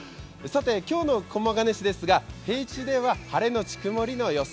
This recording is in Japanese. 今日の駒ヶ根市ですが、平地では晴れのち曇りの予想